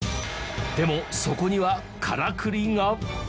でもそこにはからくりが？